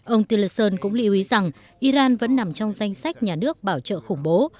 ông teleson cũng lưu ý rằng iran vẫn nằm trong danh sách nhà nước bảo trợ khủng bố